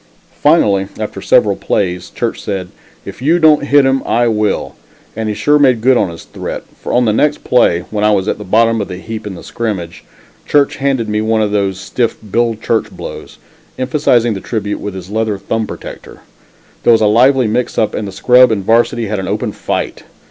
Finally, after several plays, Church said, "If you don't hit him, I will," and he sure made good his threat, for on the next play, when I was at the bottom of the heap in the scrimmage, Church handed me one of those stiff "Bill Church blows," emphasizing the tribute with his leather thumb protector. There was a lively mixup and the scrub and Varsity had an open fight.